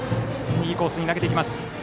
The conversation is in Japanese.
インコースに投げてきます。